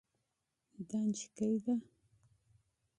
دا نجله ده.